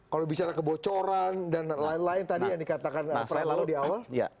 kalau bicara kebocoran dan lain lain tadi yang dikatakan pranowo di awal